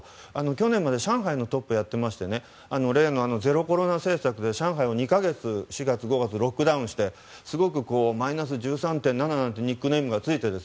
去年まで上海のトップをやっていて例のゼロコロナ政策で上海を４月、５月とロックダウンしてマイナス１３．７なんていうニックネームがついて。